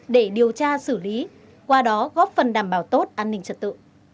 để điều tra xử lý qua đó góp phần đảm bảo tốt an ninh trật tự